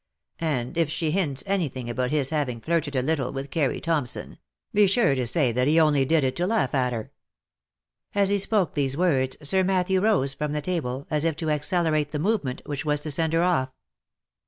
And if she hints any thing about his having flirted a little with Carry Thompson, be sure to say that he only did it to laugh at her." As he spoke these words, Sir Matthew rose from the table, as if to accelerate the movement which was to send her off.